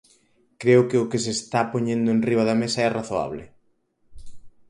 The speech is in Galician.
Creo que o que se está poñendo enriba da mesa é razoable.